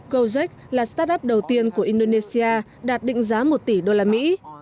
go trek là startup đầu tiên của indonesia đạt định giá một tỷ đô la mỹ